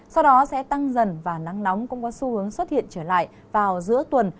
sau đó sẽ tăng dần và nắng nóng cũng có xu hướng xuất hiện trở lại vào giữa tuần